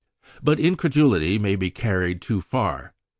But incredulity may be carried too far.